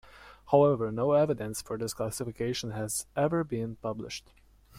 However, no evidence for this classification has ever been published.